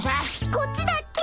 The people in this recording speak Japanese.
あっちだっけ？